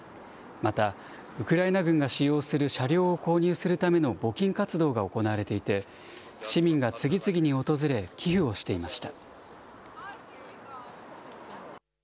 また、ウクライナ軍が使用する車両を購入するための募金活動が行われていて、市民が次々に訪れ、寄付をしていました。